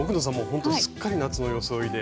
ほんとすっかり夏の装いで。